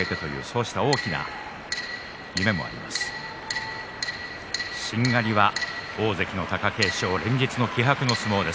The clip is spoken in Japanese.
しんがりは大関の貴景勝連日の気迫の相撲です。